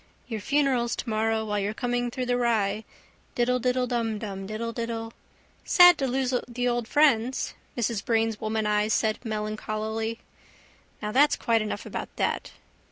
Your funeral's tomorrow While you're coming through the rye. Diddlediddle dumdum Diddlediddle... —Sad to lose the old friends, Mrs Breen's womaneyes said melancholily. Now that's quite enough about that.